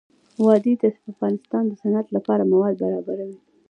وادي د افغانستان د صنعت لپاره مواد برابروي.